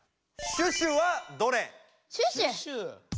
「シュシュはどれ？」。